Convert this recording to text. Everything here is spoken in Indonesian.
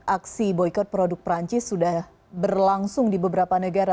aksi boykot produk perancis sudah berlangsung di beberapa negara